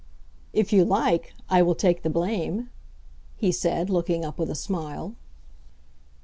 "If you like, I will take the blame," he said, looking up with a smile.